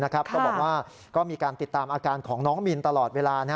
ก็บอกว่าก็มีการติดตามอาการของน้องมินตลอดเวลา